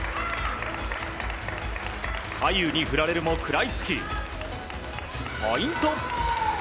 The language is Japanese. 左右に振られるも食らいつきポイント。